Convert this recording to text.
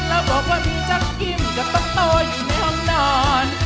แล้วบอกว่ามีจักกินจะต้องโตอยู่ในห้องนอน